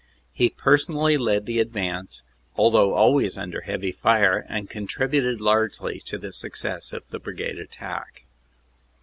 He personally led the advance, although always under heavy fire, and contributed largely to the success of the Brigade attack.